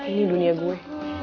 ini dunia gue